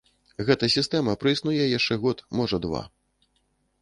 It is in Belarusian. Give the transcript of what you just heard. Гэта сістэма праіснуе яшчэ год, можа два.